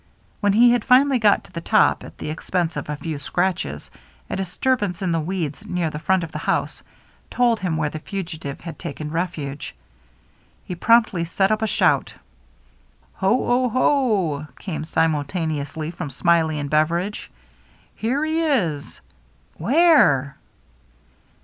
When he had finally got to the top, at the expense of a few scratches, a disturbance in the weeds near the front of the house told him where the fugitive had taken refuge. He promptly set up a shout. " Ho o ho !" came simultaneously from Smiley and Beveridge. " Here he is !" "Where?"